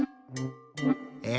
え？